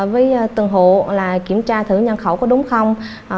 với tường hộ kiểm tra thử nhân khẩu có đúng không